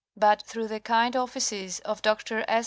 But through the kind offices of Dr. S.